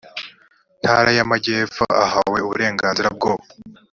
ntara y amajyepfo ahawe uburenganzira bwo